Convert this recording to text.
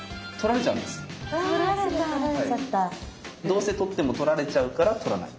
どうせ取っても取られちゃうから取らない。